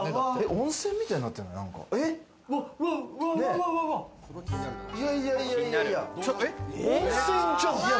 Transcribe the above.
温泉みたいになってない？